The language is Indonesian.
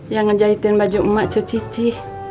yang ngejahitin baju emak cuci